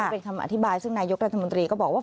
เป็นคำอธิบายซึ่งนายกรัฐมนตรีก็บอกว่า